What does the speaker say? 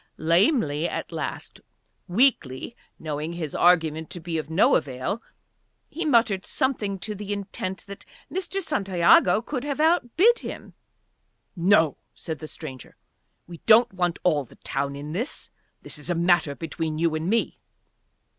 Lamely at last, weakly, knowing his argument to be of no avail, he muttered something to the intent that Mr. Santiago could have outbid him. "No," said the stranger. "We don't want all the town in this. This is a matter between you and me."